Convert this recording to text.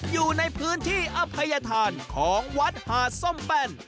อยู่ในพื้นที่อภัยธานของวัดหาดส้มแป้น